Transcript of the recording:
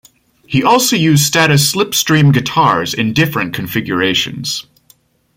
He also used Status Slipstream guitars in different configurations.